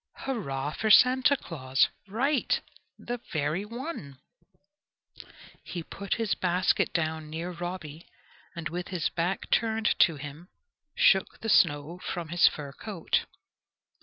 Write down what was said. "Hurrah for Santa Claus!" Right! the very one. He put his basket down near Robby, and with his back turned to him shook the snow from his fur coat.